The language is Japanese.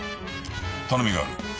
頼みがある。